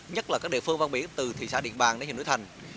nhất là các địa phương vang biển từ thị xã điện bàng đến hình núi thành